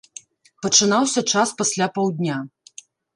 Пачынаўся час пасля паўдня.